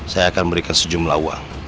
saya akan memberikan sejumlah uang